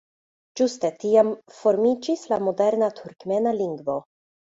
Ĝuste tiam formiĝis la moderna turkmena lingvo.